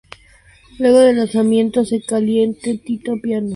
Luego del lanzamiento de Caliente, Tito de Piano se desvincula de la banda.